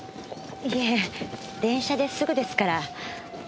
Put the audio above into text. いえ電車ですぐですから。